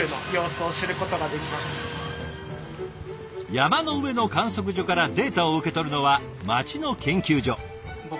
山の上の観測所からデータを受け取るのは街の研究所。